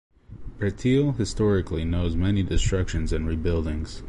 Breteuil historically knows many destructions and re-buildings.